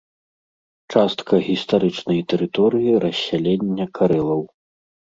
Частка гістарычнай тэрыторыі рассялення карэлаў.